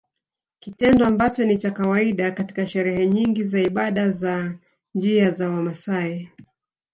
Kitendo ambacho ni cha kawaida katika sherehe nyingi za ibada za njia za Wamaasai